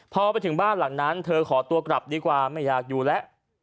พอไปถึงบ้านหลังนั้นเธอขอตัวกลับดีกว่าไม่อยากอยู่แล้ว